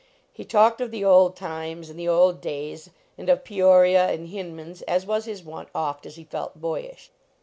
He talked of the old times and the old days, and of Peoria and Hinman s, as was his wont oft as he felt boyish.